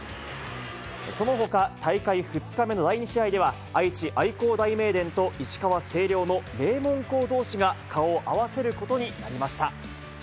そのほか大会２日目の第２試合では、愛知・愛工大名電と石川・星稜の名門校どうしが顔を合わせることになりました。